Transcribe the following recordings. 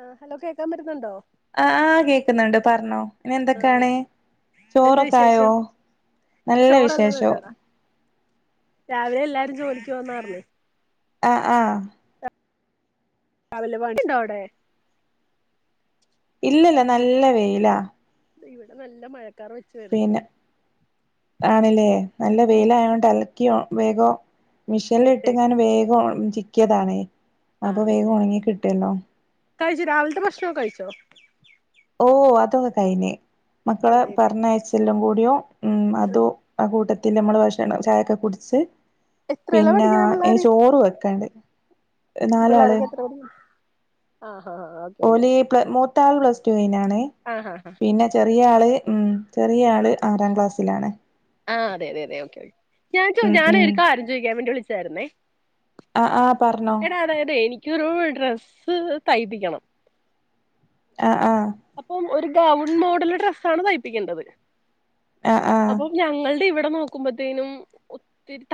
ആ ഹലോ കേക്കാൻ പറ്റുന്നുണ്ടോ ആഹ് കേക്കുന്നുണ്ട് പറഞ്ഞോ ഇനി ആഹ് എന്തൊക്കെയാണ് എന്തുണ്ട് ചോറൊക്കെ ആയോ വിശേഷം നല്ല ചോറെല്ലാം വിശേഷോ വെന്തോടാ രാവിലെ എല്ലാരും ജോലിക്ക് പോയിന്നാ പറഞ്ഞേ ആ ആ രാവിലെ മഴയുണ്ടോ അവിടെ ഇല്ലല്ല നല്ല വെയിലാ ഇവിടെ നല്ല മഴക്കാർ വെച്ച വരുന്നു പിന്നെ ആണില്ലേ നല്ല ഉം വെയിലാ ആയോണ്ട് അലക്കിയോ വേഗം മിഷീനൽ ഇട്ട് ഞാൻ ഇട്ടേക്ക്ണ് വേഗം ചിക്കിയതാണേ അപ്പൊ വേഗം ആണല്ലേ ഉണങ്ങി കിട്ടുവല്ലോ കഴിച്ചു രാവിലത്തെ ഭക്ഷ്നോ കഴിച്ചോ ഓ അതൊക്കെ കഴിഞ്ഞ് മക്കളെ അതേല്ലേ പറഞ്ഞയച്ചെല്ലാം കൂടിയോ ഉം അതോ ആ കൂട്ടത്തിൽ നമ്മള് ഭക്ഷണം ചായൊക്കെ കുടിച്ച് എത്രേലാ പിന്നെ പഠിക്കണെ ഇനി ചോറ് വെക്കാണ്ട് നാലാള് പിള്ളാരക്ക് എത്ര കുട ആ ആ ആ അ ഓലി മൂത്താൾ പ്ലസ് ടു വിനാണ് ആഹ് ആഹ് പിന്നെ ചെറിയ ആള് ഉം ചെറിയ ആള് ആറാം ക്ലാസ്സിലാണ് ആ അത അതെ അതെഓക്കെ ഞാൻ ച ഉം ഉം ഞാനൊരിക്ക ആരും ചോദിക്കാൻ വേണ്ടി വിളിച്ചായിരുന്നേ ആ ആ പറഞ്ഞോ എടാ അതായത് എനിക്ക് എനിക്കൊരു ഡ്രസ്സ് തയ്പ്പിക്കണം ആ ആ അപ്പം ഒരു ഗൗൺ മോഡല് ഡ്രസ്സാണ് തയ്പ്പിക്കേണ്ടത് ആ ആ അപ്പം ഞങ്ങളുടെ ഇവിടെ നോക്കുമ്പേത്തീനും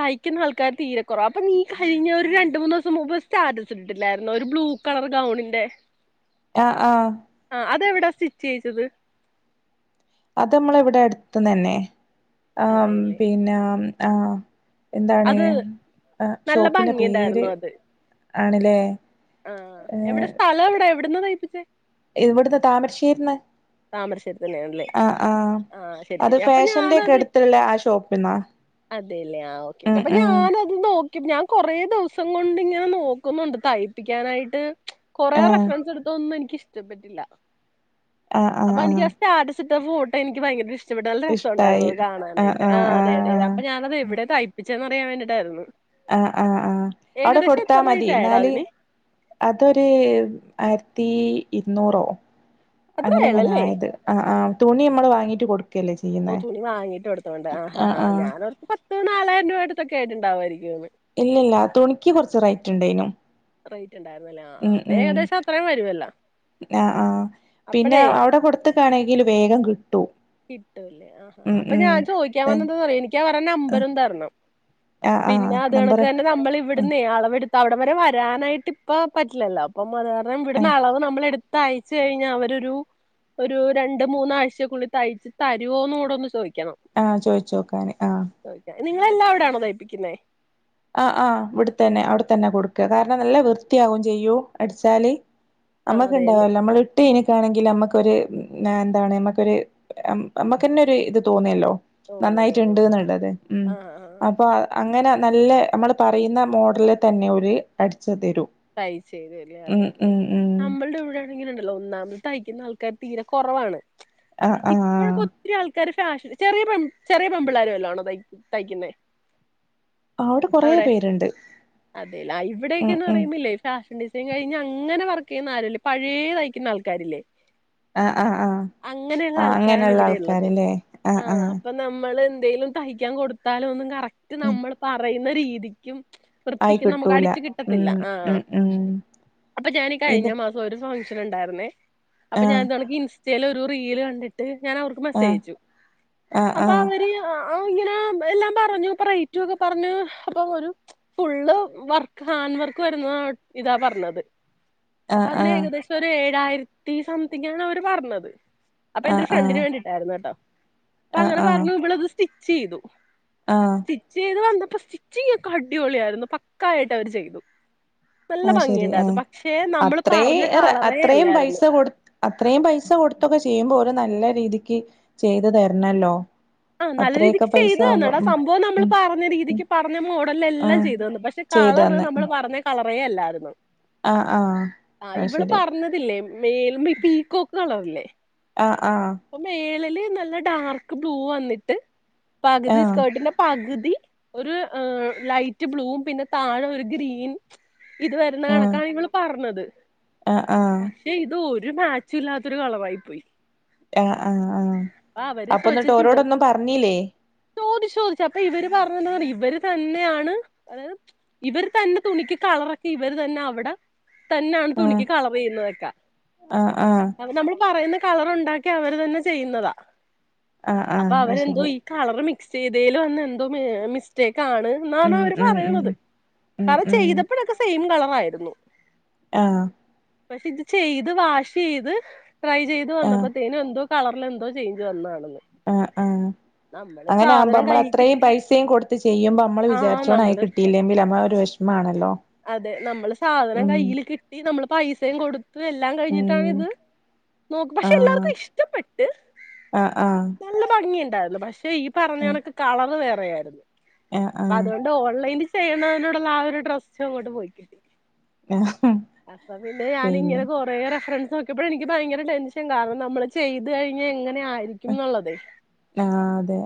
തയ്ക്കുന്ന ആൾക്കാർ തീരെ കുറവാ നീ കഴിഞ്ഞ ഒരു രണ്ട് ദിവസം മുൻപ് സ്റ്റാറ്റസ് ഇട്ടില്ലായിരുന്നോ ഒരു ബ്ലൂ കളർ ഗൗണിന്റെ ആഹ! ആഹ! ആ അതെവിടാ സ്റ്റിറ്റ് ചെയയിച്ചത്? അത് നമ്മള ഇവിടെ അടുത്തു തന്നെ ആ അതെല്ലേ പിന്നെ ആഹ എന്താണ് അത് നല്ല ഷോപ്പിന്റെ പേര് ഭംഗിയുണ്ടായിരുന്നു ആണല്ലേ ആഹ! ഏ എവിടെ സ്ഥലം എവിട എവിടന്ന് നയിപ്പിച്ചേ? കീർന്ന് ആ ആഹ ആ ശരി അത് ശരി അപ്പൊ ഫാഷന്റെ ഒക്കെ ഞാനത് അടുത്തുള്ള ആ ഷോപ്പന്നാ അതെല്ലേ ആ ഓക്കേ ഓക്കെ അപ്പൊ ഞാനത് നോ- ഞാൻ കൊറെേ ദിവസം കൊണ്ട് ഇങ്ങനെ നോക്കുന്നുണ്ട് തയ്പ്പിക്കാനായിട്ട്. കൊറെ ആ റഫറൻസ് എടുത്തൊന്നും എനിക്ക് ഇഷ്ടപ്പെട്ടില്ല ആ ആ അപ്പൊ ആ എനിക്ക്- ി പോട്ടെ എനി ഭയങ്കര ഇഷ്ടം ഇച്ചപ്പെ നല്ല ഇഷ്ടായി രസംണ്ടായിരുന്നുത് കാണാനായിട്ട് ആ അതെത അപ്പൊ ഞാനത് ആ എവിടെ തയ്പ്പിച്ചതെന്നറിയാൻ വേണ്ടിയിട്ടായിരുന്നു ആഹ് ആഹ ആഹ അവിടെ കൊടുത്താ മതി റേറ്റ് ആയടാ എന്നാല് അതിന് അതൊരു ആ.. ഇരുന്നൂറോ അത്ര അങ്ങനെ അങ്ങനെ ആയുള്ളല്ലേ ആയത് ആ ആ തുണി നമ്മൾ വാങ്ങീട്ട് കൊടുക്കും ഓ തുണി വങ്ങിട്ട്ടുത്തോണ്ട് ആഹ് ആഹാഹാ ആഹ് ഞാനൻ അവർക്ക് പത്തും നാലായിരം രൂപ എടുത്തൊക്കെ ആയിട്ട്ുണ്ടാുമായിരിക്കും ഇല്ല ഇല്ല തുണിക്ക് കൊറച്ച് റൈറ്റ് ഉണ്ടേനു ണ്ടായിരുന്ന അപ്പ ഏകദേശം അത്രയും വരുവല്ലോ ആഹ ആഹ് പിന്നെ അവിടെ കൊടുത്തക്കാണെങ്കിൽ വേഗം കിട്ടും കിട്ടൂല്ലേ ആഹാ ഉം അപ്പൊ ഞാൻ ചോദിക്കാൻ ഉം വന്നന്താ പറ എനിക്കാ പറഞ്ഞ നമ്പരും തരണം ആഹ് ആഹ് പിന്നെ അത് കണക്ക് നമ്പറ് തന്നെ നമ്മൾ ഇവിടുന്ന അളവെടുത്ത് അവിടെ വരെ വരാനായിട്ട് ഇപ്പ പറ്റില്ലല്ലോ അപ്പം അത കാരണം ആഹ് ഇവിടുന്നന്ന് അളവ് നമ്മള എടു- ത്ത അയച്ച കഴിഞ്ഞ അവരരു ഒരു രണ്ട മൂന്നാഴ്ചക്കുള്ളിൽ തയ്ച്ച് തരുവോന്നോൂട ഒന്ന് ചോദിക്കു? ആഹ! ചോയിച്ച നോക്കാന ആഹ! ചോദിക്കാം നിങ്ങളെല്ലാം അവിടെ ആണോ തയിപ്പിക്കുന്നേ? ആഹ! ആഹ്! ഇവിടെ തന്നെ അവിടെത്തന്നെ കൊടുക്ക കാരണം നല്ല വൃത്തിയാകും ചെയ്യൂ അടിച്ചാല്. ആഹ് അതെല്ലേ നമ്മുക്ക്ണ്ടാവല്ലോ നമ്മള ഇട്ട്ന ആണെങ്കിൽ നമ്മക്കൊരു എന്താണ് നമ്മക്കൊ നമ്മക്ക്ന്നെ ഒരു ഇത് തോന്നല്ലോ. തോന്നും നന്നായിട്ടുണ്ട് തോന്നുന്നു എന്നുള്ളത് ഉ ആഹ് ആഹ് അപ്പൊ അങ്ങനെ നല്ല- നമ്മൾ പറയുന്ന മോഡലിൽ തന്നെ ഒരു അടി- തയ്ച്ച തരുും അല്ലെ അതെ അതെ ഉം അതെ ഉം നമ്മളുടെ ഇവിടെണെങ്കിലുംണ്ടല്ലോ ഒന്നാമത് തയ്ക്കുന്ന ആള് ആ തീരെ കുറവാണ് ആഹ് ആഹ് ഇപ്പോഴൊക്കെ ഒത്തിരി ആൾക്കാർ ഫഷൻ ചെറിയ ചെറിയ പെമ്പിളരുുംല്ലോ ആണോ തയ് തയ്ക്കുന്നേ? കൊറേ അവിടെ പേരുണ്ട് അതെല്ല ഉം ഇവിടക്കന്ന് ഉം ഫാഷൻ ഡിസൈൻ കഴിഞ്ഞ് അങ്ങനെ വർക്ക് ചെയ്യുന്ന ആരല്ലേ പഴയ തായിക്കുന്ന ആൾക്കാരില്ലേ ആഹ് ആഹ് ആഹ് അങ്ങനെയുള്ള ആഹ് ആൾക്കാരാണ് അങ്ങനെയുള്ള ഇവിടെ ഉള്ളത് ആൾക്കാരല്ലേ ആഹ് ആഹ ആഹ് അപ്പൊ നമ്മള്- എന്തേലും തയ്ക്കാൻ കൊടുത്താലോ ഒും കറക്റ്റ് ഉം നമ്മൾ പറയുന്ന രീതിക്കും ആയി വൃത്തിക്കും നമുക്ക് കിട്ടൂല അടിച്ചു ഉം കിട്ടത്തില്ല ആ ഉം ഉം അപ്പൊ ഞാനീ ഇത് കഴിഞ്ഞ മാസം ഒരു സ- ണ്ടായിുന്നേ അപ്പൊ ആഹ് ഞാൻ എ തുണി ഇൻസ്റ്റൽ ഒരു റീൽ കണ്ടിട്ട് ഞാൻ അവർക്ക് ആഹ് മെസ്സേജ്യച്ചു ആഹ് അപ്പൊ ആഹ് അവര് ആ ഇങ്ങനെ എല്ലാം പറഞ്ഞു റേറ്റ ഒക്കെ പറഞ്ഞു അപ്പ ഒരു ഫുള് വർക്ക് ഹാൻവർക്ക് വരുന്നു ഇതാ പറഞ്ഞത് അപ്പൊ ആഹ് അതിന് ആഹ് ഏകദേശം ഒരു ഏഴായിരം- സംതിങ്ങ ആണ് അവര് പറഞ്ഞത് അപ്പൊ എന്റെ ഒരു ആഹ് ഫ്രണ്ടിന് വേണ്ടിട്ടായിരുന്നു കേട്ടോ അപ്പ ആഹ് അങ്ങനെ ആഹ് പറഞ്ഞു ഇളത് സ്റ്റിച്ച് ചെയ്തു ആഹ് സ്റ്റിച്ച് ചെയ്ത് വ- ഇപ്പൊ സ്റ്റിച്ചിങ് ഒക്കെ അടിപൊളിയായിരുന്നു പക്കായിട്ട് അവര് ചെയ്തു. നല്ല ആ ശരി ആ ഭംഗിയുണ്ടായിരുന്നു പക്ഷെ നമ്മള് അത്ര പറഞ്ഞ കളറേ അത്രയും പൈസ അല്ലായിരുന്നു കൊടു അത്രയും പൈസ കൊടുത്തൊക്കെ ചെയ്യുമ്പോ ഒരു നല്ല രീതിക്ക് ചെയ്ത് തരണല്ലോ. ആഹ നല്ല അത്രയൊക്കെ രീതിക്ക് പൈസ ചെയ്തു ആവുമ്പോ തന്നാണ് ആ ഉം സംഭവം നമ്മൾ ഉം പറഞ്ഞ ഉം രീതിക്ക് പറഞ്ഞ മോഡല എല്ലാം ആഹ് ചെയ്തു തന്നു പക്ഷെ- കളറ് ചെയ്തന്ന് നമ്മള് ഉം പറഞ്ഞ കളറേ അല്ലായിരുന്നു ആഹ് ആഹ് ആ അത് ഇവള് ശരി പറഞ്ഞതില്ലേ മേല പീക്കോക്ക് കളറില്ലേ ആ ആ അപ്പൊ മേളില് നല്ല ഡാർക്ക് ബ്ലൂ വന്നിട്ട് പകുതി ആഹ് സ്കേർട്ടിന്റെ പകുതി ഒരു ലൈറ്റ് ബ്ലൂവും പിന്നെ താഴേ ഒരു ഗ്രീൻ ഇത് വരുന്ന ആഹ് കണക്കാണ് ഇങ്ങൾ പറഞ്ഞത് ആഹ് ആഹ് പക്ഷെ ഇത് ഒരു മാച്ച് ഇല്ലാത്തൊരു കളവായി പോയി ആഹ ആഹ ആഹ് അപ്പൊ എന്നിട്ടോരോടൊന്നും പറഞ്ഞില്ലേ ചോദി ചോദിച്ചു അപ്പൊ ഇവര് പറഞ്ഞതാണ് ഇവര് തന്നെയാണ് അ ഇവര് തന്നെ തുണിക്ക് കളറക്കി ഇവര് തന്നെ അവിടെ തന്നെയാണ് ആഹ് തുണിക്ക് കളർ ചെയ്യുന്നതൊക്കെ ആഹ് ആഹ് അപ്പ നമ്മൾ പറയുന്ന കളറുണ്ടാക്കി അവർ തന്നെ ചെയ്യുന്നതാ ആഹ് അപ്പൊ ആഹ് അത് അവരെന്തോ ശരി ഈ കളർ ചെയ്തൽ വന്ന് എന്തോ മിസ്റ്റേക്ക് കാണ് എന്നാണ് ഉം അവര് ഉം ഉം പറയുന്നത് ഉം കളർ ഉം ചെയ്തപ്പോഴൊക്കെ സെയിം കളറായിരുന്നു ആഹ പക്ഷെ ഇത് ചെയ്ത് വാഷ് ചെയ്ത് ട്രൈ ചെയ്ത് ആഹ് വന്നപ്പോ എന്തോ കളറിൽ എന്തോ ചേഞ്ച് വന്നതാണ് ആഹ ആഹ അങ്ങനെ ആകുമ്പോ സാധനം നമ്മൾ കൈ അത്രയും കിട്ടി പൈസയും കൊടുത്ത് ചെയ്യുമ്പോൾ നമ്മള് ആഹ് വിചാരിച്ചോണ ആയി നമ്മള് കിട്ടില്ലെങ്കിൽ നമ്മ ഒരു വി മാണല്ലോ അതെ നമ്മള് സാധനം കയ്യിൽ കിട്ടി നമ്മള് പൈസയും കൊടുത്ത എല്ലാം കഴിഞ്ഞിട്ടാണ് ഉം ഇത് നോക്ക് പക്ഷെ ആഹ് എല്ലാവർക്കും ഇഷ്ടപ്പെട്ട് ആഹ് ആഹ് നല്ല ഭംഗിയുണ്ടായിരുന്നു പക്ഷെ ഈ പറഞ്ഞ കണക്ക് കളറ് വേറെ- ആഹ് ആഹ് അതോണ്ട് ഓൺലൈനി- ചെയ്യണതിനോടുള്ള ആ ഒരു ഡ്രസ്സും അങ്ങോട്ട് പോയിക്കിട്ടി ആഹ് അപ്പൊ പിന്നെ ഞാനിങ്ങനെ കൊറെ റെഫറൻസ് നോക്കിയപ്പോഴ എനിക്ക് ഭയങ്കര ടെൻഷൻ കാര നമ്മള് ചെയ്ത് കഴിഞ്ഞ് എങ്ങനെ ആയിരിക്കുംന്നുള്ളതെ- ആഹ് അതെ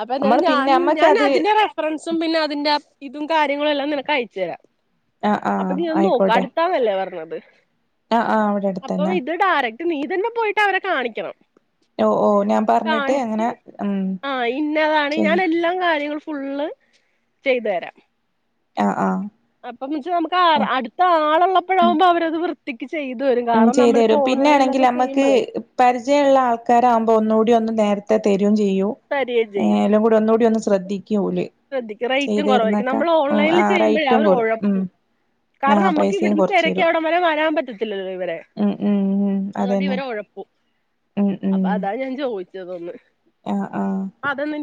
അപ്പൊ എന്തായാലും നമ്മള് ഞാൻ പിന്നെ ഞാൻ നമ്മക്കത് അതിന്റെ റഫറൻസ് - സുംപിന്നെ അതിന്റെ ഇതും കാര്യങ്ങളും എല്ലാം നിനക്ക് അയച്ചു തരാം- ആഹ് ആഹ് അപ്പം നീ ഒന്ന് നോക്ക് ആയിക്കോട്ടെ അടുത്താനല്ലേ പറഞ്ഞത്- ആഹ് ആഹ് അവിടെ അട്ത്തന്നെ- നീതന്നെ പോയിട്ട് അവരെ കാണിക്കണം- ഓ ഓ ഞാൻ പറഞ്ഞിട്ട് കാണിച്ച് അങ്ങനെ ഉം ആഹ് ഇന്നതാണ് ചെയ്യും ഞാനെല്ലാം കാര്യങ്ങളും- ഫുള്ള് ചെയ്തരാ ആഹ് ആഹ് അപ്പന്ന് വെച്ചാൽ നമുക്ക് ആര് ആഹ് അടുത്ത ആളുള്ളപ്പോഴാഉമ്പോ അവരത് വൃത്തിക് ഉം ചെയ്തെരും പിന്നാണെങ്കിൽ അമ്മക്ക് ചെയ്യുമ്പോളേ പരിചയള്ള ആൾക്കാരാവുമ്പോ ഒന്നൂട് റ്റ്വന്ന് നേരത്തെ തെരും ചെയ്യൂ ഏല്ലും കൂടി ഒന്നൂടി ഒന്ന് ശ്രദ്ധി ശ്രദ്ധക്ക് റേറ്റും കുറവായിരിക്കും നമ്മള് ഉം ഓൺലൈനിൽ ആ ചെയ്യുമ്പഴേ റൈറ്റും അവര് കൊറ ഉം ഒഴപ്പും ആ കാരണം അമ്മക്ക് പൈസയും ഇവിടുന്ന് കൊറച്ച് തിരക്കി തരും അവിടം വരെ വരാൻ പറ്റത്തില്ലല് ഇ വരെ ഉം ഉം ഉം അതൊണ്ട് അതന്നെ ഇവരെ ഒഴപ്പു അപ്പൊ അതാണ് ഞാൻ ചോയ്ച്ചതൊന്ന് ആഹ് ആഹ്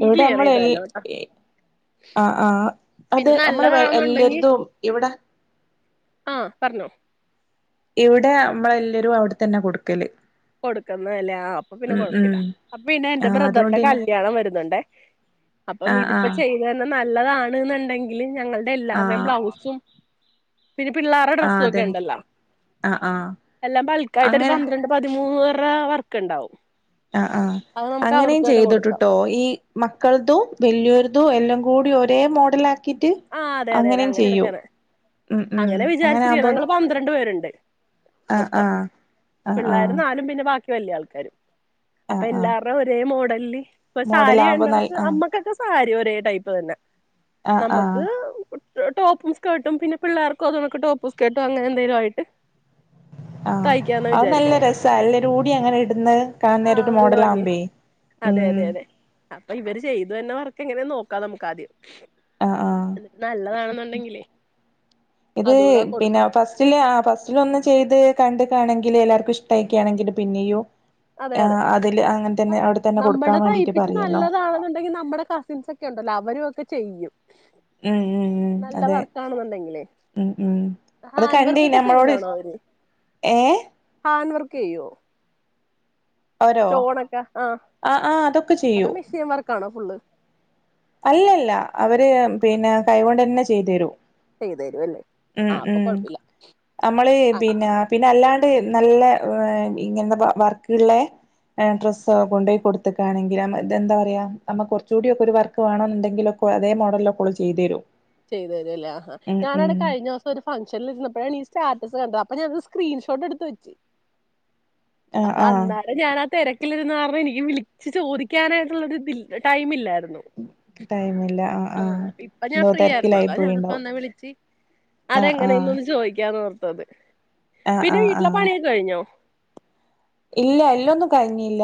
ഇവിടെ അമ്മള് ചെയ്ത് എൽ തരണംട്ടോ എഹ് ആഹ് ആഹ് അത് പിന്നെ അമ്മളെ ഇവെ നല്ലതാണെന്നുണ്ടെങ്കി എല്ലര്തും ഇവിടെ ആഹ് പർഞ്ഞോ ഇവിടെ അമ്മളല്ലരും അവിടെ തന്നെ കൊടുക്കല് കൊടുക്കുന്ന അല്ലേ ആഹ് അപ്പൊ പിന്നെ ഉം ഉം കൊഴപ്പല്ല. അപ്പ പിന്നെ ആ എന്റെ ബ്രദറിന്റെ അതുകൊണ്ട് പിന്നെ കല്യാണം വരുന്നുണ്ടേ. അപ്പം ആ ആ ഇതിപ്പോ ചെയ്ത തന്നെ നല്ലതാണ്ന്നുണ്ടെങ്കില് ഞങ്ങൾടെ ആ എല്ലാർടെയും ബ്ലൗസും പിന്നെ പിള്ളേരുടെ ആ ഡ്രസ്സൊക്കെ അതന്നെ ഉണ്ടല്ലോ ആ ആ എല്ലാം ബൾക്കായിട്ട് ഒരു അങ്ങനെ പന്ത്രണ്ട് പ [unintelligible] വർക്ക്ണ്ടാവും ആഹ് ആഹ് അങ്ങനെയും കൊടുക്കാം ചെയ്തിട്ടുട്ടോ ഈ മക്കൾതും വല്ല്യോരു തൂ എല്ലാ കൂടി ഒരേ മോഡല ആ ക്കിട്ട് ആഹ് അതെ അതെ അതെ അങ്ങനെയും അങ്ങനെ ചെയ്യു. എടുക്കാനാ ഉം ഉം അങ്ങനെ വിചാരിച്ചിരിക്ക ആവുമ്പോ ഞങ്ങള് പന്ത്രണ്ട് പേരുണ്ട് മൊത്തം ആഹ് പിള്ളേര് ആഹ് നാലും പിന്നെ ബാക് ക് വല്യ ആൾക്കാര് അപ്പൊ ആഹ് ആഹ് എല്ലാർടെ ഒരേ മോഡൽല് ഇപ്പൊ മോഡലാകുമ്പോ നൽ സാരിയുണ്ടോക് ആഹ് അമ്മക്കൊക്കെ സാരി ഒരേ ടൈപ്പ് തന്നെ ആഹ് ആഹ് [unintelligible] ടോപ്പുംസ്കേട്ടും പിന്നെ പിള്ളേർക്കും അത നൊക്കെ ടോപ്പും സ്കേട്ടും അങ്ങനെ എന്തെലു ആയിട്ട് ആഹ് തയ്ക്കാന്നാ അത് നല്ല വിചാരിക്കണേ രസാ എല്ലരുടി അങ്ങനെ ഇട്ന്ന് കാണനേര ആഹ് ഒരു നല്ല ഭംഗിയാ മോഡലമ്പഴേ അതെ അതെ അതെ അപ്പോ ഇവര് ചെയ്ത് തര്ണ വർക്ക് എങ്ങനെ നോക്കാം നമുക്കാദ്യം ആഹ് ആഹ് എന്നിട്ട് നല്ലതാണന്നോണ്ടാങ്കിലേ ഇത് പിന്നെ ഫസ്റ്റില് ആ ഫസ്റ്റിലൊന്ന് ചെയ്യ്ത് കണ്ട്ക്കാണെങ്കില് എല്ലാർക്കും ഇഷ്ടായിക്കാണെങ്കില് പിന്നെയും അതെ അതെ ആഹ് അതില് അങ്ങനെ തന്നെ അവിടെ തന്നെ കൊടുക്കാൻ നമ്മടെ വേണ്ടിട്ട് തയ്പ്പിച്ച് പറയാലോ നല്ലതാണെന്നോണ്ടെങ്കി നമ്മടെ കസിൻസെ ക്കെ ഒണ്ടല്ലോ അവരു ഒക്കെ ചെയ്യും ഉം ഉം ഉം നല്ല അതെ വർക്കാണെന്നുണ്ടെങ്കിലേ ഉം ഉം അത് ഹാൻഡ് കണ്ടി വർക്ക് ഒക്കെ ഞമ്മളോട് ചെയ്യുന്നാണോ അവര് ഏഹ് ക്കോയോ അവരോ സ്റ്റോണെക്കെ ആഹ് ആഹ് അതൊക്കെ അതോ ചെയ്യും മെഷീൻ വർക്കാണോ ഫുള്ള് അല്ലല്ല അവര് പിന്നെ കൈകൊണ്ട് തന്നെ ചെയ്തു തേരോ ചെയ്തു തരുവല്ലേ ഉം ആഹ് അപ്പൊ ഉം കൊഴപ്പില്ല നമ്മള് ആഹ് പിന്നെ പിന്നെ അല്ലാണ്ട് നല്ല ഇങ്ങന്താ വർക്കുള്ള ഡ്രസ്സ് കൊണ്ടു പോയി കൊടുക്കയാണെങ്കിൽ എന്താ പറയാ നമ്മ കുറച്ചുകൂടൊക്കെ ഒരു വർക്ക് വേണെന്നുണ്ടെങ്കിലൊ അതേ മോഡലിലക്കെള്ള ചെയ്തു തരും ചെയ്തുതരല്ലേഹ ഉം ഉം ഞാനവിടെ കഴിഞ്ഞസം ഒരു ഫംഗ്ഷനിൽ ഇരുന്നപ്പോഴാണ് ഈ സ്റ്റാറ്റസ് കണ്ടത് അപ്പൊ ഞാനൊരു സ്ക്രീൻഷോട്ട് എടുത്ത് വെച്ചു ആഹ് അപ്പൊ ആഹ് അന്നാല ഞാാനാ തിരക്ക ി എനിക്ക് വിളിച്ച് ചോദിക്കാനായിട്ടുള്ളരു ടൈം ഇില്ലായിരുന്നു ടൈമില്ല ആഹ് ആ ആഹ് ഇപ്പൊ ഞാൻ എന്തോ ഫ്രീ ആയിരുന്നു തിരക്കിലായി അത ഞാനിപ്പോ പോയിണ്ടാവും എന്നാ വിളിച്ചച്ച് അത ആഹ് ആഹ് എങ്ങനെൊന്ന് ചോദിക്കാന്ന്ോഓർത്തത് ആഹ് പിന്നെ ആഹ് വീട്ടിലെ ആഹ് പണിയൊക്കെ കഴിഞ്ഞോ ഇല്ല എല്ലൊന്നും കഴിഞ്ഞില്ല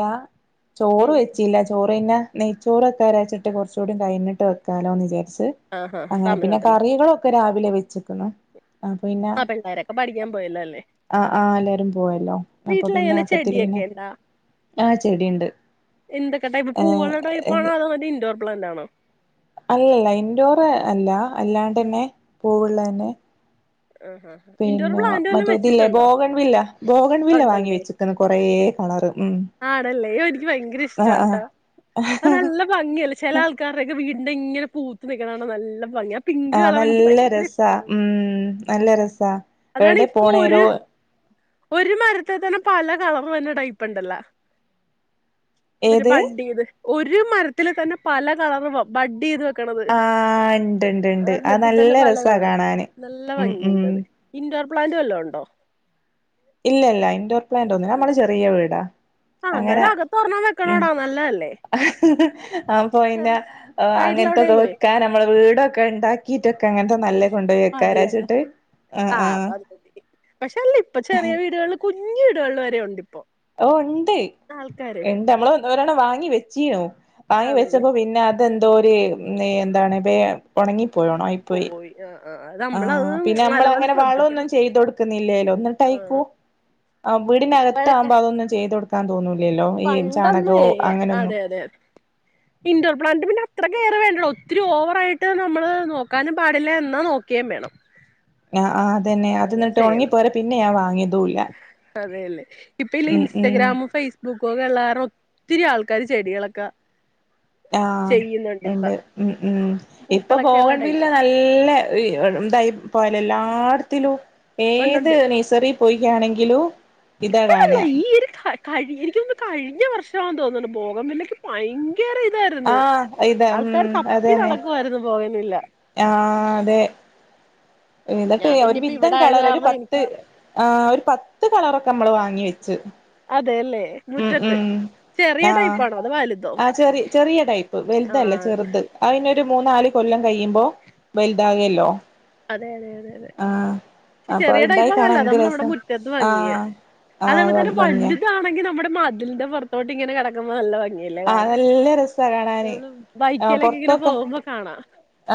ചോറ് ഉം വെച്ചല്ല ചോറ്ന്നെ നെയ്ച്ചോൊക്കാര അച്ചിട്ട് കുറച്ചൂടി കഴഞ്ഞിട്ട് വെക്കാലോ എന്ന്ചരിച്ചു ആഹാ അങ്ങനെ പിന്നെ സമയമുണ്ടല്ലോ കറികള ഒക്കെ രാവിലെ വെച്ചക്കുന്നു ആപ്പ പിന്നെ ആഹ് പിള്ളേരൊക്കെ പഠിക്കാൻ പോയല്ലോ അല്ലേ ആ ആ എല്ലാരും പോവല്ലോ അപ്പൊ പിന്നെ വീട്ടിലെങ്ങനെ അകത്തില് ചെടിയൊക്കെ പിന്നെ ഉണ്ടോ ആ ചെടിയുണ്ട് എന്തൊക്കെ ടൈപ്പ് ഏ പൂവളുടെ ടൈപ്പ ആണോ അതോ മറ്റ ഇൻഡോർ പ്ലാന്റ് ആണോ അല്ലല്ല ഇൻഡോർ അല്ല അല്ലാണ്ട്ന്നെ പോവുള്ള തന്നെ ആഹ് ആഹ് ഇൻഡോർ പിന്നെ പ്ലാന്റ് വല്ലോം മറ്റേ ഇതില്ലേ വെച്ചിട്ടുണ്ടോ? ബോഗൺവില്ല ബോഗൺവില്ല വാങ്ങി വെച്ചിക്കന്ന് കൊറേ കളറ് ഉ ആണല്ലേോ എനിക്ക് ഭയങ്കര ഇഷ്ടാണ്ടാ അ നല്ല ഭംഗിയല്ല ചില ആൾക്കാരുടെൊക്കെ വീട് എെങ്ങനെ പൂത്ത് നക്കണാണോ നല്ല ഭ പിങ്ക് ആ കളർ എനിക്ക് നല്ല ഭയങ്കര രസാ ഇഷ്ടന്ന് ഉം നല്ല രസാ അതാണ് എവിടെ ഇപ്പൊ ഒരു പോണേരോ ഒരു മരത്തെ തന്നെ പല കളർ തന്നെ വരുന്ന കളർടൈപ്പുണ്ടല്ല മറ്റേ ഏത് ബഡ്ഡി ചെയ്ത് ഒരു മരത്തില് തന്നെ പല കളർ ബഡ്ഡി ചെയ്ത് ത് ആഹ് ഇണ്ട് ഇണ്ട് ഇണ്ട് അത് ഒരെണ്ണത്തി തന്നെ നല്ല പല രസാ കളർ കാണാന് നല്ല ഉം ഉം ഭംഗിയണ്ടത് ഇൻഡോർ പ്ലാന്റ വല്ലോ ഉണ്ടോ ഇല്ല ഇല്ല ഇൻഡോർ പ്ലാന്റ് ഒന്നില്ല നമ്മള് ചെറിയ വീടാ ആ അങ്ങനെ എന്നാലും അകത്ത് ഒരെഞ്ഞാൻ ഉം വെക്കണോടാ നല്ലതല്ലേ അപ്പൊ പിന്നെ ചെറ് അങ്ങനത്തൊക്കെ സൈഡിലെവിടേലുവേ വെക്കാൻ നമ്മള് വീടൊക്കെ ഉണ്ടാക്കീട്ടൊ ക്കെഅങ്ങനത്തെ നല്ല കൊണ്ടുപോയി മതിയെന്ന് വെക്കാരാച്ചിട്ട് ആ ആ ആഹ് അപ്പൊ അത് മതി പക്ഷെ അല്ല ഇപ്പൊ ചെറിയ വീടുകളില് കുഞ്ഞു വീടുകളില് വരെയുണ്ട് ഇപ്പോ. ഓ ഉണ്ട് ആൾക്കാര് ഉണ്ട് നമ്മള് ഒരുതവണ വാങ്ങി വെച്ചീനു വാങ്ങി ആണല്ലേ വെച്ചപ്പോ പിന്നെ അതെന്തോ ഒരു എന്താണ് എപ്പേ ഉണങ്ങി പോയോണായിപ്പോയി. പോയി ആഹ് ആഹ് അത് ആ നമ്മളത് പിന്നെ നമ്മള് നല്ലപോലെ അങ്ങനെ വളൊന്നും ശ്രദ്ധിക്കണം ചെയ്തുകൊടുക്കുന്നില്ലേലോ. ഒന്നിട്ടയിക്കൂ ആഹ് ആ വീടിനകത്താകുമ്പോ അതൊന്നും ചെയ്തു കൊടു പണ്ട് ഒന്നുവേ അങ്ങനൊന്നും അതെ അതെ അതെ. ഇൻ്റോർപ്ലാന്റ് പിന്നെ അത്ര കെയറ് വേണ്ടടോ. ഒത്തിരി ഓവറായിട്ട് നമ്മള് നോക്കാനും പാടില്ല എന്നാ നോ ക്കേം വേണം. ആ ആ അതന്നെ അങ്ങനെ അതന്നിട്ട് ചെയ്യണം ഉണങ്ങിപ്പോയര. പിന്നെ ഞാൻ വാങ്ങിയതുംല്ല. അതെല്ലേ ഇപ്പൊ ഇല്ല ഇൻസ്റ്റാഗ്രാമും ഫേസ്ബുക്കും ഒക്കെ ഒള്ള കാരണം ഒത്തിരി ആൾക്കാര് ചെടികളൊക്കെ ആ ചെയ്യുന്നുണ്ട് ഇപ്പ ഉണ്ട് ഉം ഉം ഇപ്പൊ പൂക്കളൊക്കെ ഉള്ള ബോഗൺവില്ല ടൈപ്പൊക്കെ നല്ല ഇ ഇതായി പോയല്ലോ എല്ലാ ത്തിലും ഏത് ഉണ്ടുണ്ട് നഴ്സറി പോയി ആണെങ്കിലും ഇതാ ഇപ്പഴല്ല കാണാ. ഈ ഒരു ക- കഴി എനിയ്ക്കു തോന്നുന്നു കഴിഞ്ഞ വർഷാന്ന് തോന്നണു ബോഗൺവില്ലയ്ക്ക് ഭയങ്ക കേറീതായിരുന്നു. ആഹ് ഇതാ ഉം ആൾക്കാര് തപ്പി നടക്കുവായിരുന്നു പോയ ആ അതെ. എന്നിട്ട് ഞാൻ പിന്നെ ഒരു ഇപ്പ വിധം ഇവിടെ ആയത് കളർ ഒരു കാരണം പത്ത് എനിക്ക് ആ ഒരു പത്ത് കളറൊക്കെ നമ്മള് വാ ങ്ങി വെച്ചു. അതേല്ലേ മുറ്റത്ത് ചെറിയ ആഹ് ടൈപ്പാണോ അതോ വലുതോ ആഹ് ചെറി ചെറിയ ടൈപ്പ് വല്തല്ല ആഹ് അത് ചെറുത് അയിന് രു മൂന്നാല് കൊല്ലം കയിയുമ്പോ വലുതാകേല്ലോ അതെ അതെ അതെ അതെ ഇച്ചി അപ്പൊ ചെറിയ ഉണ്ടായി ടൈപ്പാ കാണാൻ നല്ലത് എന്ത് അതാവുമ്പോ നമ്മടെ രസം മുറ്റത്ത് ആ ഭംഗിയാ. ആ അത് കണക്കന്നെ ഭംഗിയാ വലുതാണെങ്കി നമ്മടെ മതിൽന്റെ പൊറത്തോട്ട് ഇങ്ങനെ കേടക്കുമ്പോ നല്ല ഭ ഗിയല്ലേ ആ കാണാൻ. നല്ല രസാ കാണാന് നമ്മള് ബൈക്കേലൊക്കെ ഇങ്ങനെ പോകുമ്പോ കാണാം.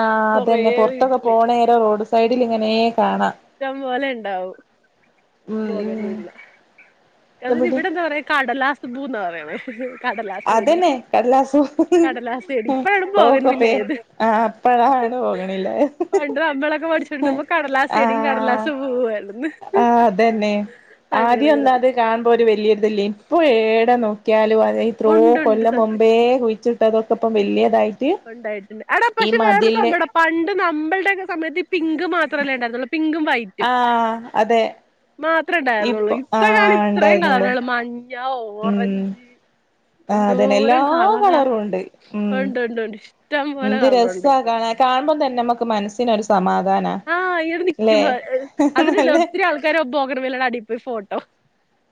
ആഹ് കൊറേ അതന്നെ പൊറ്ത്തൊക്കെ വീട്ടില് പോണേരേം റോഡ് സൈഡിലിങ്ങനെ കാണാം ഇഷ്ടംപോലെ ഇണ്ടാവും ഉം ഉം ബോഗേൺവില്ല. അതിന് എവിടെ ഇവിടെന്താ പറയാ കടലാസുപൂന്നാ പറയണെ. കടലാസ് ചെടി അതന്നെ കടലാസു കടലാസ് ചെടി ഇപ്പഴാണ് പോക്കെ ബോഗൺവില്ല പേ ആയത്. ആ അപ്പഴാണ് പോകണില്ല പണ്ട് നമ്മളൊക്കെ പഠിച്ചോണ്ട് ഇരിക്കുമ്പോ കടലാസ് ചെടി ആ കടലാസ് പൂവായിരുന്നു. ആഹ് അതന്നെ. അങ്ങനെ ആദ്യം ഒന്ന് അങ്ങനെ അത് കാണുമ്പോ ഒരു വലിയൊരിത് ഇല്ലേൻ. ഇപ്പൊ ഏടെ നോ ക്കിയാലും അതെത്രോ ഉണ്ടുണ്ട് കൊല്ലം സത്യം മുമ്പേ കുഴിച്ചിട്ട് അതൊക്കെ ഇപ്പം വലിയതായി ഉണ്ടായിട്ടുണ്ട് അടാ പക്ഷെ വേറൊരു സംഭവംടാ പണ്ട് നമ്മൾടെ ഒക്കെ സമയത്ത് പിങ്ക് മാത്രമല്ലേ ഉണ്ടായിരുന്നുള്ളൂ. പിങ്കും വൈറ്റും ആഹ് അതെ മാത്രേ ഉണ്ടായിരുന്നുള്ളൂ. ഇപ്പൊ ഇപ്പോഴാണ് ആഹ് ഇത്രയും ഉണ്ടായിരുന്നുള്ളൂ കളറുകള് മഞ്ഞ ഞ്ഞാ ഉം ഓറഞ്ച് ആഹ് അതന്നെ എല്ലാ എന്തോരം കളറാ കളറും ഉണ്ട് ഉം ഉണ്ട് ഉണ്ട്ണ്ട് എന്ത് രസാ കാണാൻ കാണുമ്പോൾ തന്നെ നമുക്ക് മനസ്സിനൊരു സമാധാ ആ ഈവിടെ നിക്കുമ്പോ അതുണ്ടല്ലോ നല്ല ഒത്തിരി ആൾക്കാര് ബോഗൺവില്ലേടെ അടിപ്പോയി ഫോട്ടോ.